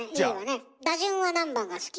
打順は何番が好き？